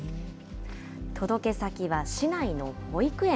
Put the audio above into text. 届け先は市内の保育園。